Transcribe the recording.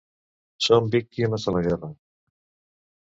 'Som víctimes de la guerra'.